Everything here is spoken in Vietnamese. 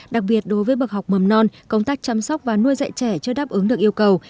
đặc biệt đối với bậc học mầm non công tác chăm sóc và nuôi dạy trẻ chưa đáp ứng được yêu cầu